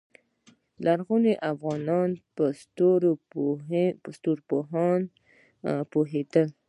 لرغوني افغانان په ستورپوهنه پوهیدل